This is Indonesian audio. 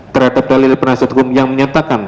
terhadap dalil penasihat hukum yang menyatakan